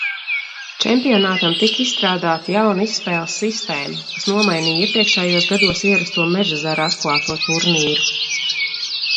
Čempionātam tika izstrādāta jauna izspēles sistēma, kas nomainīja iepriekšējos gados ierasto Mežezera atklāto turnīru.